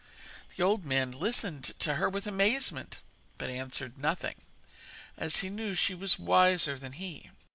The old man listened to her with amazement, but answered nothing, as he knew she was wiser than he.